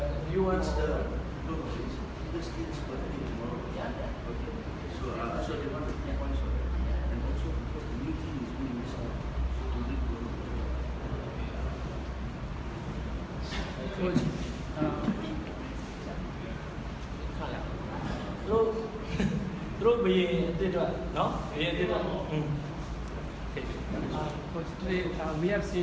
คุณคิดว่าเกินเท่าไหร่หรือไม่เกินเท่าไหร่